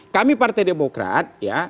kami partai demokrat ya